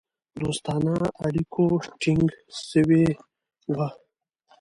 دوستانه اړیکو ټینګ سوي وه.